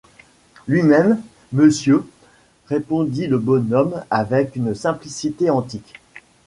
Lui-même, monsieur, répondit le bonhomme avec une simplicité antique.